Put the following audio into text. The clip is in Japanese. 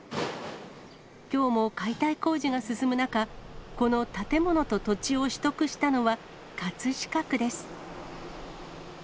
きょうも解体工事が進む中、この建物と土地を取得したのは、葛飾区です。